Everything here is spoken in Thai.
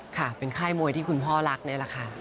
ค่ะเป็นค่ายมวยที่คุณพ่อรักนี่แหละค่ะ